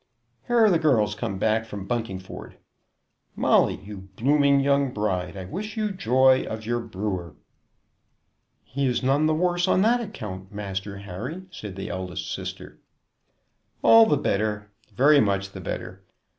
Here are the girls come back from Buntingford. Molly, you blooming young bride, I wish you joy of your brewer." "He's none the worse on that account, Master Harry," said the eldest sister. "All the better, very much the better.